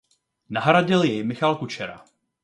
Nahradil jej Michal Kučera.